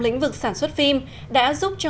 lĩnh vực sản xuất phim đã giúp cho